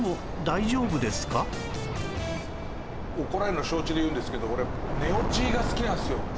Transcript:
怒られるの承知で言うんですけど俺寝落ちが好きなんですよ。